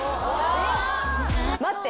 待って。